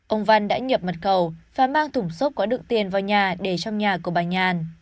ông văn đã nhập mật khẩu và mang thủng xốp có đựng tiền vào nhà để trong nhà của bà nhàn